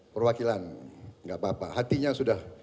perwakilan nggak apa apa hatinya sudah